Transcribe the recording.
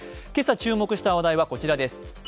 今朝注目した話題はこちらです。